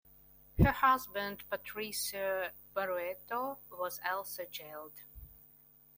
Her husband Patricio Barrueto was also jailed.